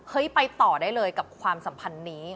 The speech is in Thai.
ไปต่อได้เลยกับความสัมพันธ์นี้